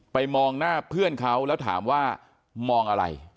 มองหน้าเพื่อนเขาแล้วถามว่ามองอะไร